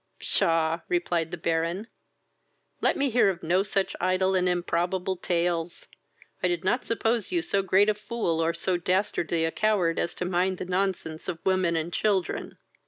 "Psha! (replied the Baron,) let me hear of no such idle and improbable tales. I did not suppose you so great a fool or so dastardly a coward as to mind the nonsense of women and children."